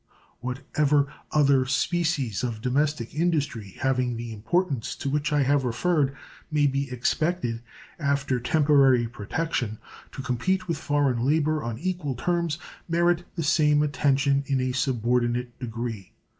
What ever other species of domestic industry, having the importance to which I have referred, may be expected, after temporary protection, to compete with foreign labor on equal terms merit the same attention in a subordinate degree.